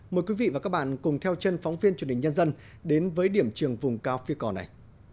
mời quý vị và các bạn cùng theo chân phóng viên truyền hình nhân dân đến với điểm trường vùng cao phi cò này